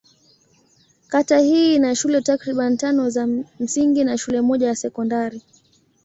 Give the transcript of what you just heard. Kata hii ina shule takriban tano za msingi na shule moja ya sekondari.